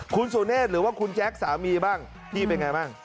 คุณสุเนธหรือว่าคุณแจ๊คสามีบ้างพี่เป็นไงบ้าง